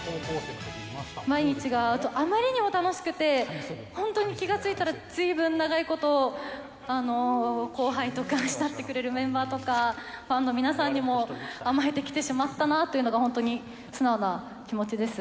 毎日があまりにも楽しくて、本当に気が付いたら、ずいぶん長いこと、後輩とか、慕ってくれるメンバーとか、ファンの皆さんにも甘えてきてしまったなっていうのが、本当、素直な気持ちです。